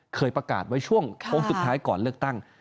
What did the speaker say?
เคยประกาศไว้ช่วงโค้งสุดท้ายก่อนเลือกตั้ง